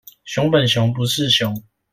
熊本熊不是熊